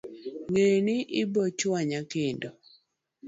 ng'e ni ibochweya kendo